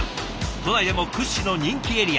都内でも屈指の人気エリア。